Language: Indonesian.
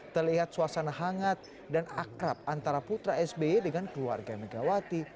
terlihat suasana hangat dan akrab antara putra sby dengan keluarga megawati